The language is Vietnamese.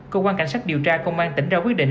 cơ quan cảnh sát điều tra công an tỉnh ra quyết định